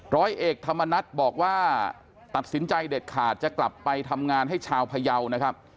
ร้อยเอกธรรมนัฏบอกว่าตัดสินใจเด็ดขาดจะกลับไปทำงานให้ชาวพยาวนะครับ